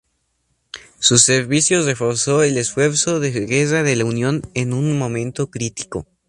Su servicio reforzó el esfuerzo de guerra de la Unión en un momento crítico.